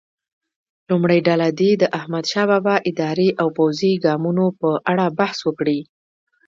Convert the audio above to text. لومړۍ ډله دې د احمدشاه بابا اداري او پوځي ګامونو په اړه بحث وکړي.